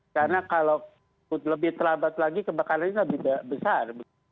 karena kalau lebih terlambat lagi kebakaran ini lebih besar